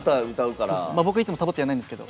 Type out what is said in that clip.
僕、いつもサボってやんないんですけど。